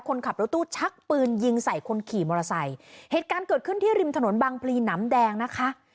คนขับรถตู้ชักปืนยิงใส่คนขี่มอเตอร์ไซค์เหตุการณ์เกิดขึ้นที่ริมถนนบางพลีหนำแดงนะคะ